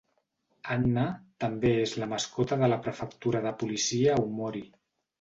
Anna també és la mascota de la prefectura de policia Aomori.